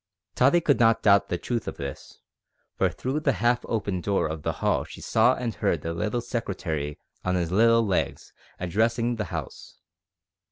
Tottie could not doubt the truth of this, for through the half open door of the hall she saw and heard the little secretary on his little legs addressing the house.